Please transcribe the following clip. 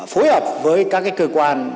phối hợp với các cơ quan